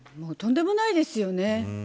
とんでもないですよね。